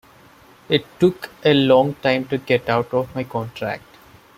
It took a long time to get out of my contract.